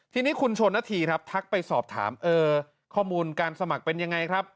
ทีนี้คุณชนนาธีครับทักไปสอบถามข้อมูลการสมัครเป็นยังไงครับ